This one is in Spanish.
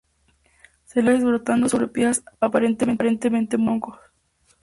Se les encuentra a veces brotando sobre piezas aparentemente muertas de troncos.